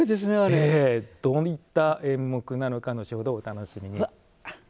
どういった演目なのか後ほどお楽しみに。